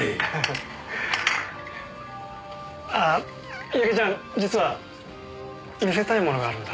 あ矢木ちゃん実は見せたいものがあるんだ。